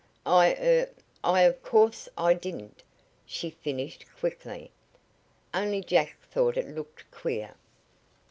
"I er I of course I didn't," she finished quickly. "Only Jack thought it looked queer."